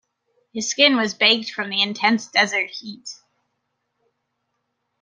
His skin was baked from the intense desert heat.